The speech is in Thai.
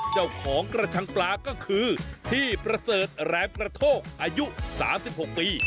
เจ้าของกระชังปลาก็คือพี่ประเสริฐแหลมกระโทกอายุ๓๖ปี